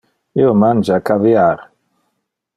Io mangia caviar.